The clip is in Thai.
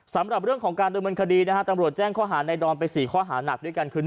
สำหรับเรื่องของการดำเนินคดีนะฮะตำรวจแจ้งข้อหาในดอนไป๔ข้อหานักด้วยกันคือ